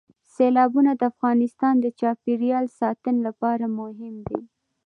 سیلابونه د افغانستان د چاپیریال ساتنې لپاره مهم دي.